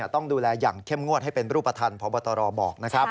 ต้องดูแลอย่างเข้มงวดให้เป็นรูปธรรมพบตรบอกนะครับ